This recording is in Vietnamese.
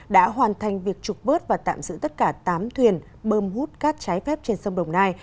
đã hoàn thành việc trục bớt và tạm giữ tất cả tám thuyền bơm hút cát trái phép trên sông đồng nai